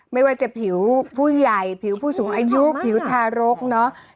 ไม่ว่าจะผิวผู้ใหญ่ผิวผู้สูงอายุผิวทารกเนอะ